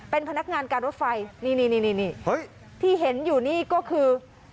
เป็นพนักงานการรถไฟนี่ที่เห็นอยู่นี่ก็คือ